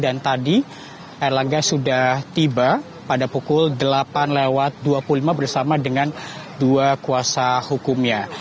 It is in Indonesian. dan tadi erlangga sudah tiba pada pukul delapan lewat dua puluh lima bersama dengan dua kuasa hukumnya